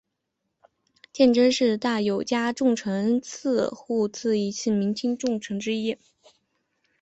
鉴贞是大友家重臣户次鉴连的一门亲族众之一。